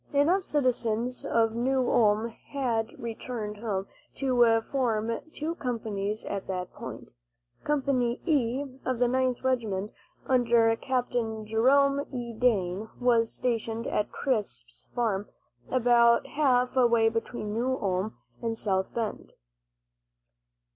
Enough citizens of New Ulm had returned home to form two companies at that point. Company "E," of the Ninth Regiment, under Capt. Jerome E. Dane, was stationed at Crisp's farm, about half way between New Ulm and South Bend.